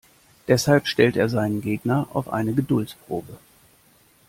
Deshalb stellt er seinen Gegner auf eine Geduldsprobe.